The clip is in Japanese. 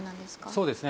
そうですね。